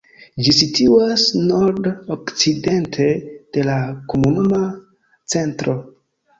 Ĝi situas nord-okcidente de la komunuma centro.